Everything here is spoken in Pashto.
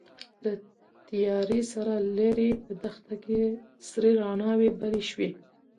له تيارې سره ليرې په دښته کې سرې رڼاوې بلې شوې.